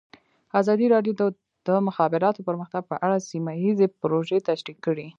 ازادي راډیو د د مخابراتو پرمختګ په اړه سیمه ییزې پروژې تشریح کړې.